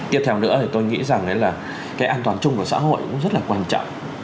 tiếp theo nữa thì tôi nghĩ rằng là cái an toàn chung của xã hội cũng rất là quan trọng